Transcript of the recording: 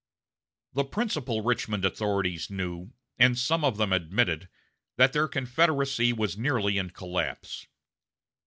The principal Richmond authorities knew, and some of them admitted, that their Confederacy was nearly in collapse.